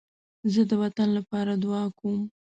زه د وطن لپاره دعا کوم